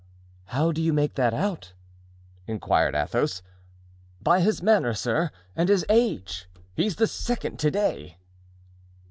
"How do you make that out?" inquired Athos. "By his manner, sir, and his age; he's the second to day."